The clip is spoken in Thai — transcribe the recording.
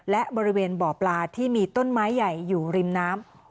และบริเวณบ่อปลาที่มีต้นไม้ใหญ่อยู่ริมน้ำ